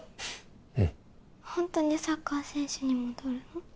うんホントにサッカー選手に戻るの？